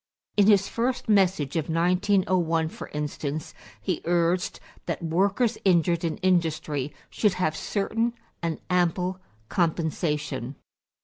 In his first message of 1901, for instance, he urged that workers injured in industry should have certain and ample compensation.